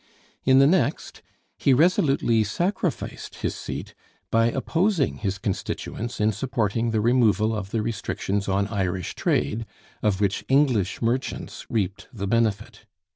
In the next, he resolutely sacrificed his seat by opposing his constituents in supporting the removal of the restrictions on Irish trade, of which English merchants reaped the benefit.